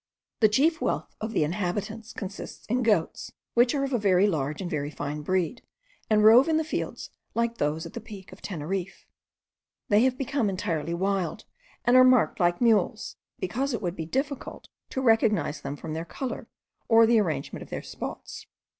The chief wealth of the inhabitants consists in goats, which are of a very large and very fine breed, and rove in the fields like those at the Peak of Teneriffe. They have become entirely wild, and are marked like the mules, because it would be difficult to recognize them from their colour or the arrangement of their spots.